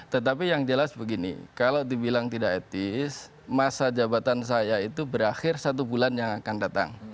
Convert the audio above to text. tetapi yang jelas begini kalau dibilang tidak etis masa jabatan saya itu berakhir satu bulan yang akan datang